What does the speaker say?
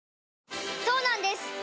そうなんです